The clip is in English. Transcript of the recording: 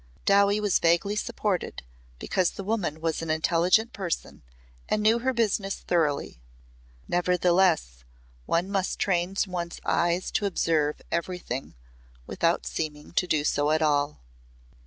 Dowie was vaguely supported because the woman was an intelligent person and knew her business thoroughly. Nevertheless one must train one's eyes to observe everything without seeming to do so at all.